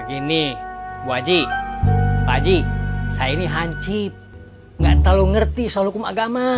gini bu aji pak ji saya ini hancib nggak terlalu ngerti soal hukum agama